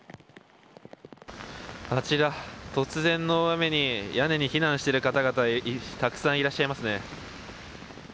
あちら、突然の大雨に屋根に避難している方々がたくさんいらっしゃいますね。